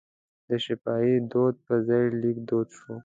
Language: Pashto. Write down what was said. د شفاهي دود پر ځای لیک دود شو.